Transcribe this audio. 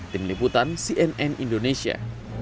tim liputan cnn indonesia